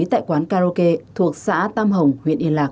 tại quán karaoke thuộc xã tam hồng huyện yên lạc